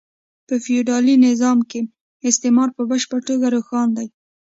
په فیوډالي نظام کې استثمار په بشپړه توګه روښانه دی